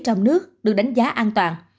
trong nước được đánh giá an toàn